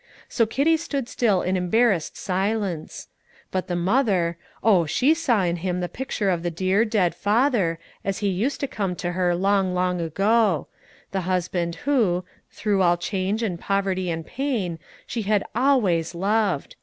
So Kitty stood still in embarrassed silence. But the mother, oh, she saw in him the picture of the dear, dead father, as he used to come to her long, long ago; the husband who, through all change and poverty and pain, she had always loved!